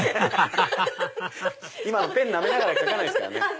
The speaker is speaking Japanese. ハハハハ今はペンなめながら書かないですからね。